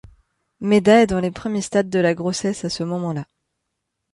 Meda est dans les premiers stades de la grossesse à ce moment là.